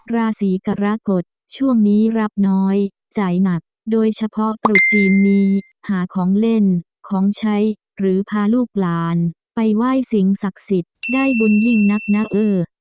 ราศีกรกฎช่วงนี้รับน้อยจ่ายหนักโดยเฉพาะตรุษจีนนี้หาของเล่นของใช้หรือพาลูกหลานไปไหว้สิ่งศักดิ์สิทธิ์ได้บุญยิ่งนักนะเออ